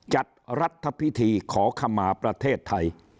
จัดรัฐพิธีขอขมาประเทศไทย